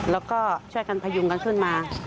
แล้วก็ช่วยกันพยุงกันขึ้นมา